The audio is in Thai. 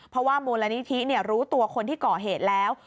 เพราะว่ามูลนิธิรู้ตัวคนที่ก่อเหตุแล้ว